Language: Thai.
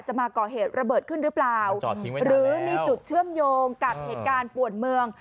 มาก่อเหตุระเบิดขึ้นหรือเปล่าหรือมีจุดเชื่อมโยงกับเหตุการณ์ป่วนเมือง